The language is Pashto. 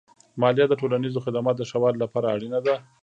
مالیه د ټولنیزو خدماتو د ښه والي لپاره اړینه ده.